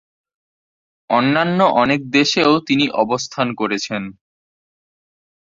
অন্যান্য অনেক দেশেও তিনি অবস্থান করেছেন।